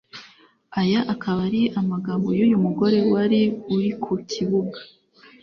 Aya akaba ari amagambo y’uyu mugore wari uri ku kibuga